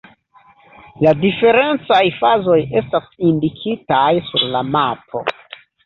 La diferencaj fazoj estas indikitaj sur la mapo.